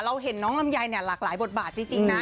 เราเห็นน้องลำยายหลากหลายบทบาทจริงนะ